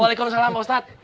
waalaikumsalam pak ustadz